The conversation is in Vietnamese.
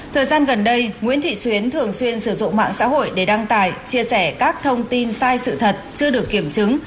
thời gian gần đây nguyễn thị xuyến thường xuyên sử dụng mạng xã hội để đăng tải chia sẻ các thông tin sai sự thật chưa được kiểm chứng